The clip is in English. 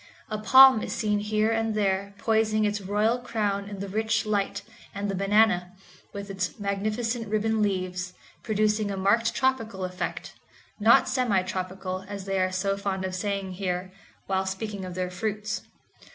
A palm is seen here and there poising its royal crown in the rich light, and the banana, with its magnificent ribbon leaves, producing a marked tropical effect—not semi tropical, as they are so fond of saying here, while speaking of their fruits.